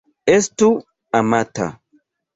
Estu amata.